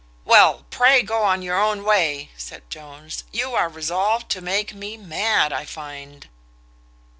"Well, pray go on your own way," said Jones: "you are resolved to make me mad I find."